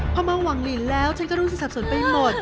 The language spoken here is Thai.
พอมาหวังลินแล้วฉันก็รู้สึกสับสนไปหมด